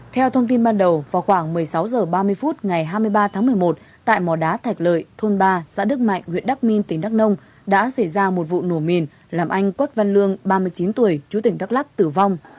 theo thông tin ban đầu vào khoảng một mươi sáu h ba mươi phút ngày hai mươi ba tháng một mươi một tại mò đá thạch lợi thôn ba xã đức mạnh huyện đắc minh tỉnh đắk nông đã xảy ra một vụ nổ mìn làm anh quách văn lương ba mươi chín tuổi chú tỉnh đắk lắc tử vong